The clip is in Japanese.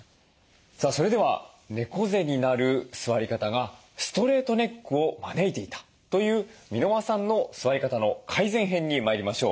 さあそれでは猫背になる座り方がストレートネックを招いていたという箕輪さんの座り方の改善編に参りましょう。